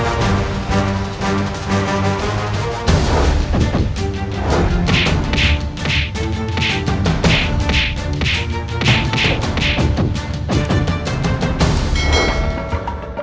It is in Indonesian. aku akan membantumu untuk menghabisi dia